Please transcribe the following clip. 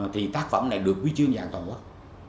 thì tác phẩm này được quy chương dạng toàn quốc